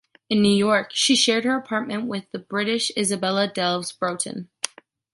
In New York, she shared her apartment with the British Isabella Delves Broughton.